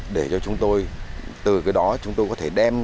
để cho chúng tôi từ cái đó chúng tôi có thể đem